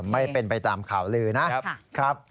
ไม่เป็นไปตามข่าวลือนะครับ